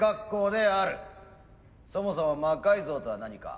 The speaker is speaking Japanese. そもそも魔改造とは何か。